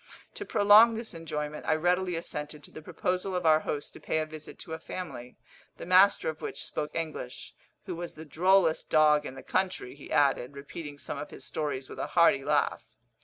To prolong this enjoyment, I readily assented to the proposal of our host to pay a visit to a family, the master of which spoke English, who was the drollest dog in the country, he added, repeating some of his stories with a hearty laugh.